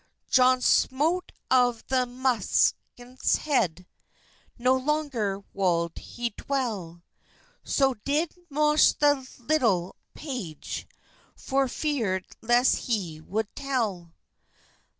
John smote of the munkes hed, No longer wolde he dwelle; So did Moche the litulle page, For ferd lest he wold tell.